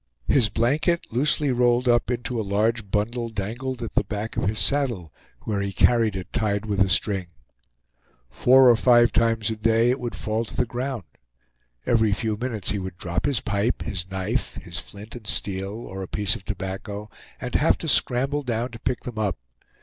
His blanket, loosely rolled up into a large bundle, dangled at the back of his saddle, where he carried it tied with a string. Four or five times a day it would fall to the ground. Every few minutes he would drop his pipe, his knife, his flint and steel, or a piece of tobacco, and have to scramble down to pick them up.